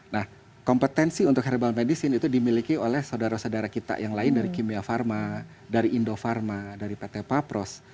nah kompetensi untuk herbal medicine itu dimiliki oleh saudara saudara kita yang lain dari kimia pharma dari indofarma dari pt papros